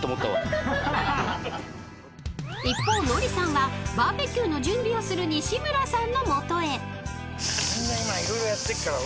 ［一方ノリさんはバーベキューの準備をする西村さんの元へ］